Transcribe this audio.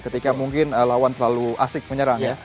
ketika mungkin lawan terlalu asik menyerang ya